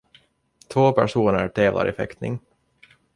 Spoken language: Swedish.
Två personer tävlar i fäktning.